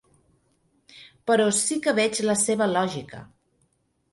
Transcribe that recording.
Però sí que veig la seva lògica.